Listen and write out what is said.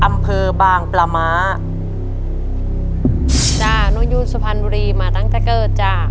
อำเภอบางปลาม้าจ้ะหนูอยู่สุพรรณบุรีมาตั้งแต่เกิดจ้า